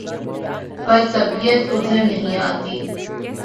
پر طبیعت ادھر نہیں آتی